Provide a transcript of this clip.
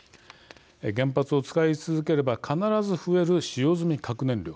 原発を使い続ければ必ず増える使用済み核燃料。